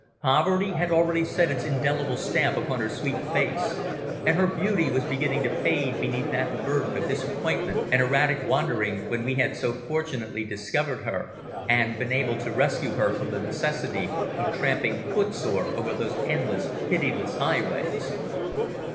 Poverty had already set its indelible stamp upon her sweet face, and her beauty was beginning to fade beneath that burden of disappointment and erratic wandering when we had so fortunately discovered her, and been able to rescue her from the necessity of tramping footsore over those endless, pitiless highways.